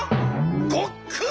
ごっくん！